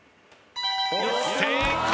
正解！